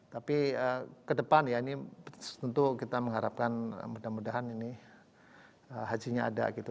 tapi ke depan ya ini tentu kita mengharapkan mudah mudahan ini hajinya ada gitu